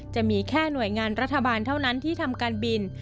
จะมีแค่หน่วยงานรัฐบาลเท่านั้นที่ทำการบิน